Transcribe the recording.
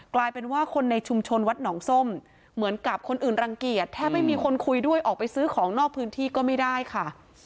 กลายเป็นว่าคนในชุมชนวัดหนองส้มเหมือนกับคนอื่นรังเกียจแทบไม่มีคนคุยด้วยออกไปซื้อของนอกพื้นที่ก็ไม่ได้ค่ะ